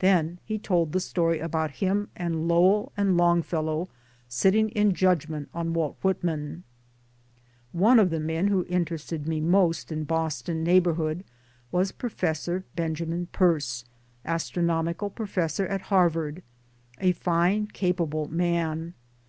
Then he told the story about him and Lowell and Longfellow sitting in judgment on Walt Whitman 1 ' One of the men who interested me most in Boston neighborhood was Professor Benjamin Pierce Astronomical Professor at Harvard a fine capable man.